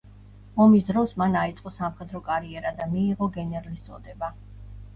ომის დროს მან აიწყო სამხედრო კარიერა და მიიღო გენერლის წოდება.